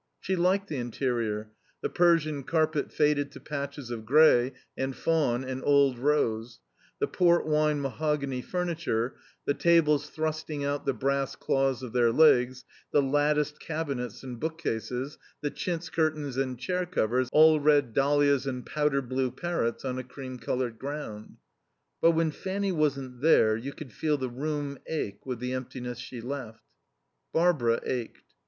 She liked the interior, the Persian carpet faded to patches of grey and fawn and old rose, the port wine mahogany furniture, the tables thrusting out the brass claws of their legs, the latticed cabinets and bookcases, the chintz curtains and chair covers, all red dahlias and powder blue parrots on a cream coloured ground. But when Fanny wasn't there you could feel the room ache with the emptiness she left. Barbara ached.